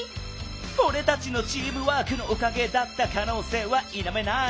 フォレたちのチームワークのおかげだったかのうせいはいなめない！